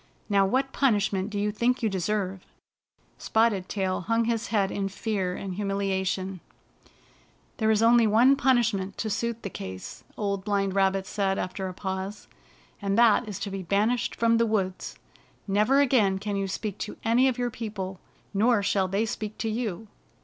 Now what punishment do you think you deserve? " Spotted Tail hung his head in fear and hu miliation. 90 Spotted Tail Receives His Punishment "There is only one punishment to suit the case," Old Blind Rabbit said after a pause, " and that is to be banished from the woods. Never again can you speak to any of your people, nor shall they speak to you.